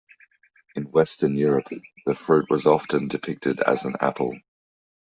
In Western Europe, the fruit was often depicted as an apple.